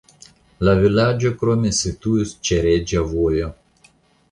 La vilaĝo krome situis ĉe Reĝa Vojo.